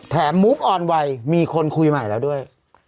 มุกออนไวมีคนคุยใหม่แล้วด้วย